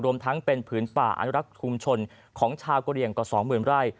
รวมทั้งเป็นผืนป่าอนุรักษ์คุมชนของชาวกะเรียงกว่าสองหมื่นราย